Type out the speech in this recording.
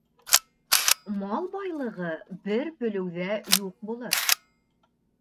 Мал байлығы бер бөлөүҙә юҡ булыр